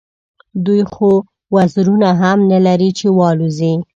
دوی خو وزرونه هم نه لري چې والوزي.